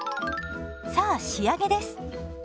さあ仕上げです。